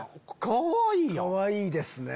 かわいいですね。